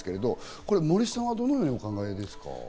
森さんはどのようにお考えですか？